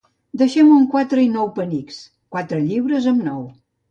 Deixem-ho en quatre i nou penics: quatre lliures amb nou.